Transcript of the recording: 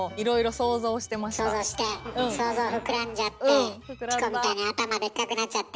想像して想像膨らんじゃってチコみたいに頭でっかくなっちゃって。